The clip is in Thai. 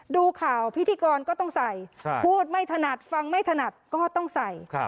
ดูข่าวพิธีกรก็ต้องใส่พูดไม่ถนัดฟังไม่ถนัดก็ต้องใส่